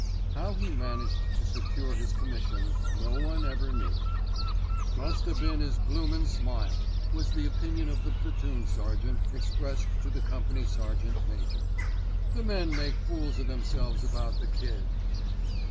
How he managed to secure his commission no one ever knew. "Must 'a been 'is bloomin' smile," was the opinion of the platoon sergeant, expressed to the company sergeant major. "The men make fools o' theirselves about the Kid."